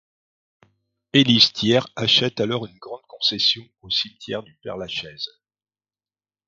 Élise Thiers achète alors une grande concession au cimetière du Père-Lachaise.